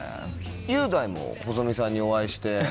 雄大も細美さんにお会いして。